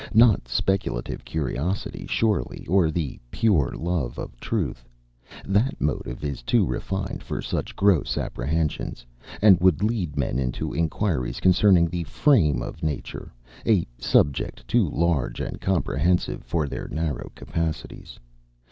Not speculative curiosity, surely, or the pure love of truth. That motive is too refined for such gross apprehensions; and would lead men into inquiries concerning the frame of nature, a subject too large and comprehensive for their narrow capacities.